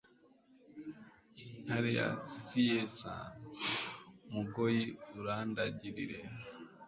Ntare ya Cyica-mugoyi urandagirire.